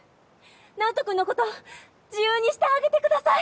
直人君のこと自由にしてあげてください。